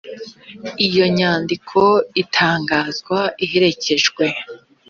iyo nyandiko itangazwa iherekejwe